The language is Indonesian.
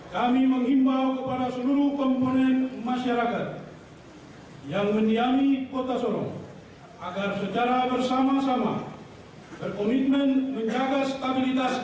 kami mengimbau kepada seluruh komponen masyarakat yang mendiami kota solo agar secara bersama sama berkomitmen menjaga stabilitas